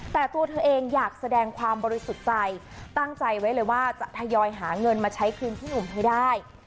แต่ตัวเธอเองอยากแสดงความบริสุทธิ์ใจตั้งใจไว้เลยว่าจะทยอยหาเงินมาใช้คืนพี่หนุ่มให้ได้